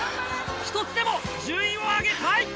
１つでも順位を上げたい。